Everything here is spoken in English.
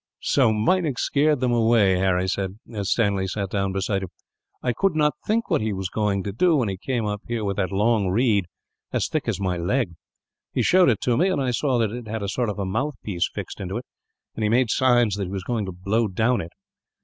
"So Meinik scared them away," the latter said, as Stanley sat down beside him. "I could not think what he was going to do when he came up here with that long reed, as thick as my leg. He showed it to me, and I saw that it had a sort of mouthpiece fixed into it; and he made signs that he was going to blow down it.